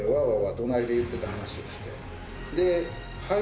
隣で言ってた話をして。